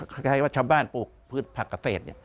คล้ายว่าชาวบ้านปลูกพืชผักเกษตร